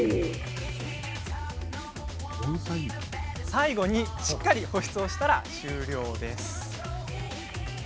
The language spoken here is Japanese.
最後にしっかり保湿をしたら終了です。